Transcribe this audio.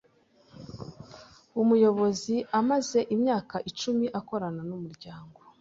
Umuyobozi amaze imyaka icumi akorana n’umuryango.